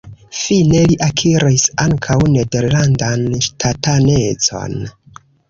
Fine li akiris ankaŭ nederlandan ŝtatanecon.